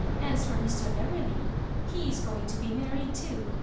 As for Mr. Beverley, be is going to be married too.